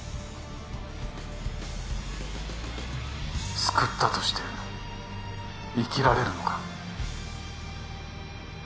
救ったとして生きられるのか？